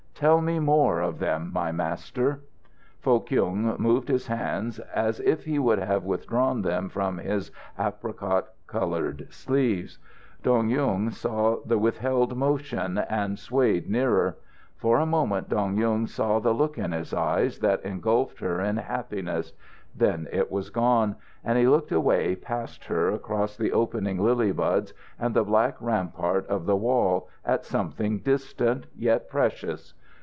Tell me more of them, my Master." Foh Kyung moved his hands as if he would have withdrawn them from his apricot coloured sleeves. Dong Yung saw the withheld motion, and swayed nearer. For a moment Dong Yung saw the look in his eyes that engulfed her in happiness; then it was gone, and he looked away past her, across the opening lily buds and the black rampart of the wall, at something distant, yet precious.